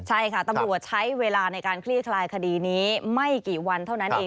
ใช่ค่ะตำรวจใช้เวลาในการคลี่คลายคดีนี้ไม่กี่วันเท่านั้นเอง